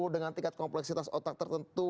dengan tingkat kompleksitas otak tertentu